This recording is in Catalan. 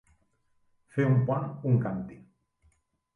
Fer un pont, un càntir.